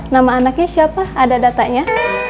nama anaknya siapa ada datanya